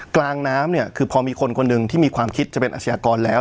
กลางน้ำเนี่ยคือพอมีคนคนหนึ่งที่มีความคิดจะเป็นอาชญากรแล้ว